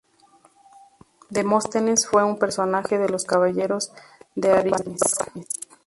Demóstenes fue un personaje de "Los caballeros" de Aristófanes.